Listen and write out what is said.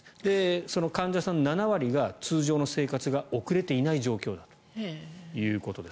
その患者さんの７割が通常の生活が送れていない状況だということです。